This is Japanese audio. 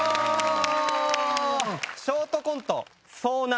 ショートコント遭難。